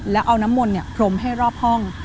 แล้วเอาน้ำมนต์พรมให้รอบห้อง